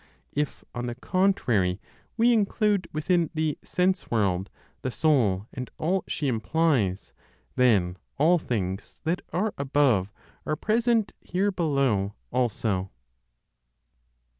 If, on the contrary, we include within the "sense world" the soul and all she implies, then all things that are above are present here below also.